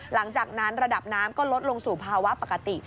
หลังจากนั้นระดับน้ำก็ลดลงสู่ภาวะปกติ